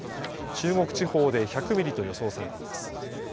中国地方で１００ミリと予想されています。